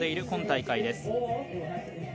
今大会です。